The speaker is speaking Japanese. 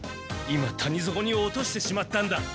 今谷底に落としてしまったんだ。